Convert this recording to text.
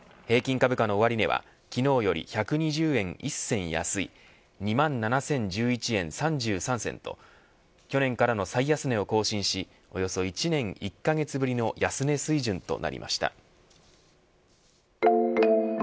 平均株価の終値は昨日より１２０円１銭安い２万７０１１円３３銭と去年からの最安値を更新しおよそ１年１カ月ぶりの安値水準となりました。